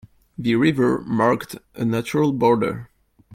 The river marked a natural border.